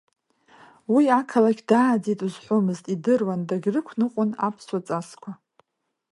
Уи ақалақь дааӡеит узҳәомызт, идыруан, дагьрықәныҟәон аԥсуа ҵасқәа.